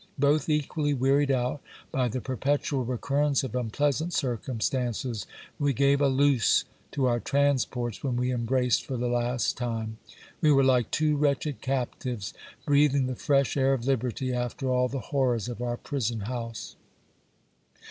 both equally wearied out by the perpetual recurrence of unpleasant circumstances, we gave a loose to our transports when we embraced for the last time. We were like two wretched captives, breath ing the fresh air of liberty after all the horrors of our prison house.